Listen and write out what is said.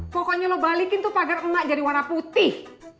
pokoknya lo balikin tuh pagar emak jadi warna putih